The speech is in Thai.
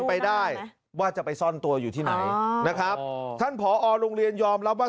ไปได้ว่าจะไปซ่อนตัวอยู่ที่ไหนนะครับท่านผอโรงเรียนยอมรับว่า